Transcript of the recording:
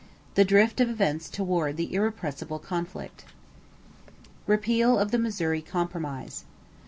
THE DRIFT OF EVENTS TOWARD THE IRREPRESSIBLE CONFLICT =Repeal of the Missouri Compromise.